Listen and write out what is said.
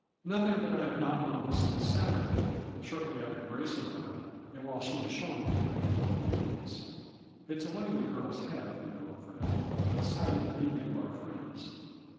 " Nothing that I have not known since Sat urday, shortly after Grace arrived, and while she was showing me her many new things. It's a way we girls have, you know, Fred, of excit ing the envy of our friends.